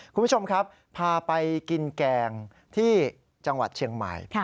คุณผู้ชมครับพาไปกินแกงที่จังหวัดเชียงใหม่